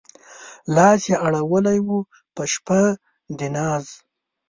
لاس يې اړولی و په شپه د ناز